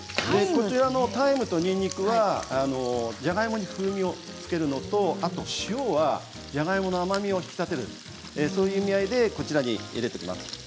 タイムとにんにくはじゃがいもに風味をつけるのとあと塩はじゃがいもの甘みを引き立てるそういう意味合いでこちらに入れていきます。